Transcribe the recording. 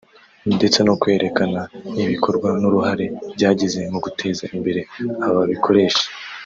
ndetse no kwerekana ibikorwa n’uruhare byagize mu guteza imbere aba bikoresha